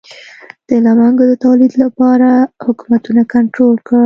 د لونګو د تولید لپاره حکومتونه کنټرول کړل.